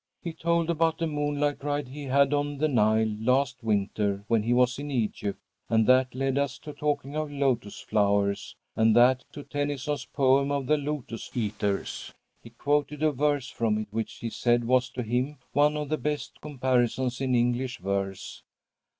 He told about a moonlight ride he had on the Nile last winter when he was in Egypt, and that led us to talking of lotus flowers, and that to Tennyson's poem of the 'Lotus Eaters.' He quoted a verse from it which he said was, to him, one of the best comparisons in English verse.